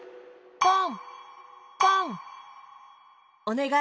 ポン！